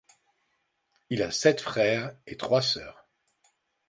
Il a sept frères et trois sœurs.